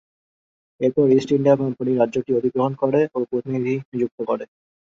এরপর East India Company রাজ্যটি অধিগ্রহণ করে ও প্রতিনিধি নিযুক্ত করে।